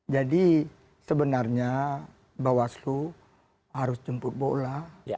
jadi sebenarnya bawaslu harus jemput bola